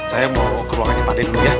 saya mau ke ruangannya pak d dulu ya